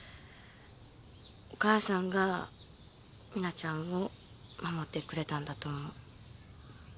お母さんが実那ちゃんを守ってくれたんだと思う。